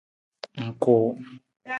Ng kuu.